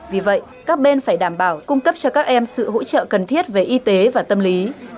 vì vậy các bên phải đảm bảo cung cấp cho các em sự hỗ trợ cần thiết về y tế và tâm lý